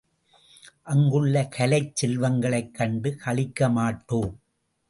அங்குள்ள கலைச் செல்வங்களைக் கண்டு களிக்கமாட்டோம்.